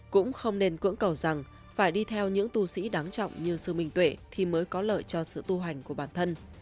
cũng không nên cưỡng cầu rằng phải đi theo những tu sĩ đáng trọng như sư minh tuệ thì mới có lợi cho sự tu hành của bản thân